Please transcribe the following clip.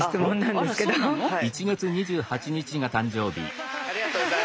おめでとうございます。